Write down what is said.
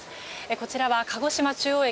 こちらは鹿児島中央駅